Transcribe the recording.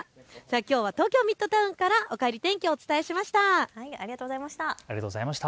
きょうは東京ミッドタウンからおかえり天気をお伝えしました。